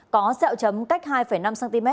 có dẹo chấm cách hai năm cm